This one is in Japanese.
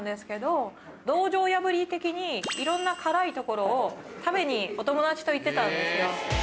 いろんな辛いところを食べにお友達と行ってたんですよ。